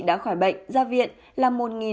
đã khỏi bệnh ra viện là một bảy trăm ba mươi bốn